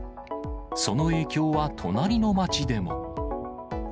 その影響は隣の町でも。